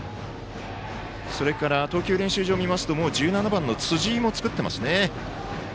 それから、投球練習場を見ますと辻井も作ってますね。